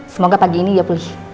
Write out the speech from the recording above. semoga pagi ini dia pulih